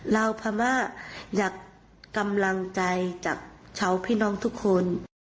พม่าอยากกำลังใจจากชาวพี่น้องทุกคน